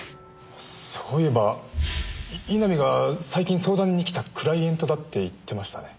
そういえば井波が最近相談に来たクライエントだって言ってましたね。